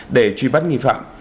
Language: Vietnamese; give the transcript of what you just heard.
để truy bắt nghi phạm